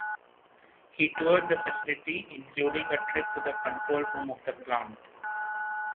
He toured the facility, including a trip to the control room of the plant.